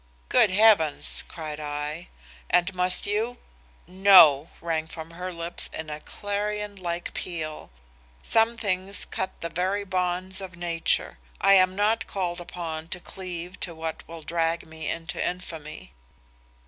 "'Good heavens!' cried I, 'and must you ' "'No,' rang from her lips in a clarion like peal; 'some things cut the very bonds of nature. I am not called upon to cleave to what will drag me into infamy.